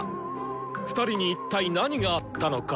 ２人に一体何があったのか！